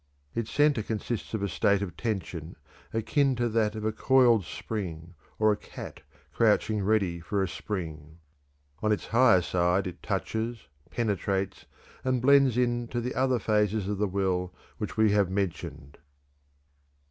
Its center consists of a state of tension, akin to that of a coiled spring or a cat crouching ready for a spring. On its higher side it touches, penetrates, and blends into the other phases of the will which we have mentioned.